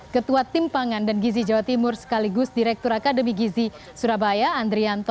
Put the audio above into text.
ketua tim pangan dan gizi jawa timur sekaligus direktur akademi gizi surabaya andrianto